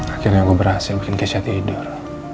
akhirnya gue berhasil bikin kesha tidur